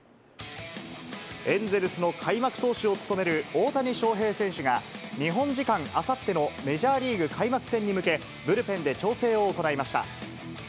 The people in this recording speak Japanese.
エンゼルスの開幕投手を務める大谷翔平選手が、日本時間あさってのメジャーリーグ開幕戦に向け、ブルペンで調整を行いました。